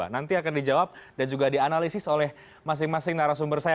nanti akan dijawab dan juga dianalisis oleh masing masing narasumber saya